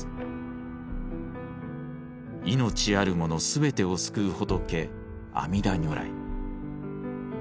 命あるもの全てを救う仏阿彌陀如来。